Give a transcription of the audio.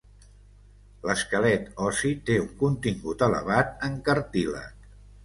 L'esquelet ossi té un contingut elevat en cartílag.